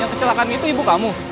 kecelakaan itu ibu kamu